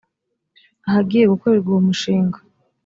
ahagiye gukorerwa uwo mushinga